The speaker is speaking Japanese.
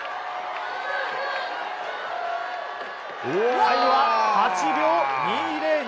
タイムは８秒２０２！